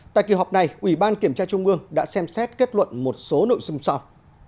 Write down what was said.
tại kỳ họp này ủy ban kiểm tra trung ương đã xem xét kết luận một số nội dung sau